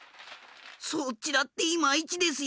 そっちだってイマイチですよ。